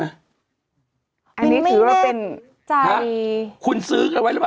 อันนี้ถือว่าเป็น